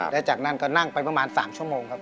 และจากนั้นก็นั่งไปประมาณ๓ชั่วโมงครับ